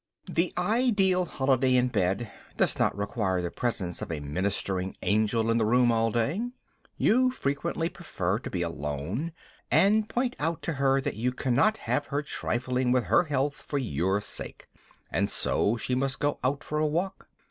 The ideal holiday in bed does not require the presence of a ministering angel in the room all day. You frequently prefer to be alone, and point out to your wife that you cannot have her trifling with her health for your sake, and so she must go out for a walk.